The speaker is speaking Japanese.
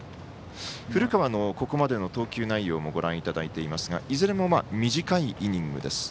古川の、ここまでの投球内容ご覧いただいておりますがいずれも短いイニングです。